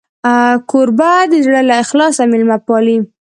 کوربه د زړه له اخلاصه میلمه پالي.